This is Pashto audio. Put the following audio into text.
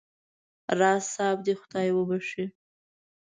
راز صاحب دې خدای وبخښي.